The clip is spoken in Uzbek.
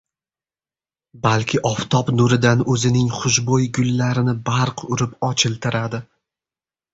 balki oftob nuridan o‘zining xushbo‘y gullarini barq urib ochiltiradi.